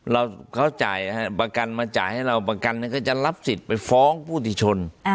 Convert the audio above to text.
เราเขาจ่ายประกันมาจ่ายให้เราประกันก็จะรับสิทธิ์ไปฟ้องผู้ที่ชน